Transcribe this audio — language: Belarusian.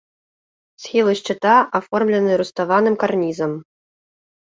Схілы шчыта аформлены руставаным карнізам.